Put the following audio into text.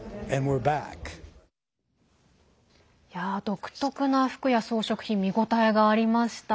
独特な服や装飾品見応えがありました。